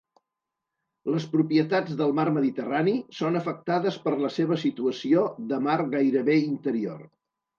Les propietats del mar Mediterrani són afectades per la seva situació de mar gairebé interior.